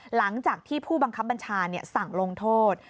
หลังจากที่ผู้บังคับบัญชาสั่งลงโทษ